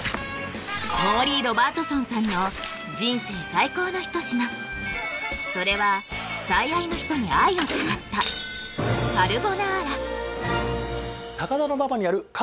モーリー・ロバートソンさんの人生最高の一品それは最愛の人に愛を誓ったえっ